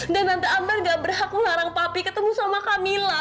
dan tante ambar gak berhak melarang papi ketemu sama kamila